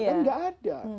kan gak ada